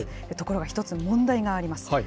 ところが一つ、問題があります。